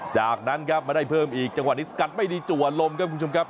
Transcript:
จากนั้นครับมาได้เพิ่มอีกจังหวะนี้สกัดไม่ดีจัวลมครับคุณผู้ชมครับ